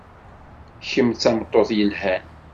Kemm d tameṭṭut yelhan.